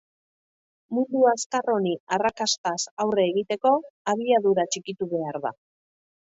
Mundu azkar honi arrakastaz aurre egiteko, abiadura txikitu behar da.